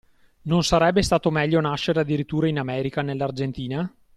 Non sarebbe stato meglio nascere addirittura in America, nell'Argentina?